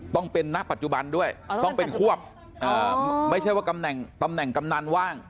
ต้องเป็นณปัจจุบันด้วยต้องเป็นควบไม่ใช่ว่าตำแหน่งกำนันว่าง